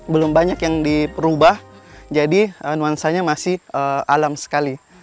belum banyak yang diperubah jadi nuansanya masih alam sekali